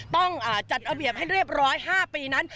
ต้องจัดระเบียบให้เรียบร้อย๕ปีนั้น